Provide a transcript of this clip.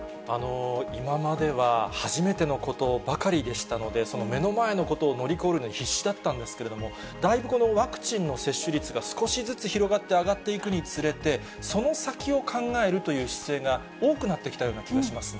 今までは初めてのことばかりでしたので、目の前のことを乗り越えるのに必死だったんですけれども、だいぶこのワクチンの接種率が少しずつ広がって、上がっていくにつれて、その先を考えるという姿勢が多くなってきたような気がしますね。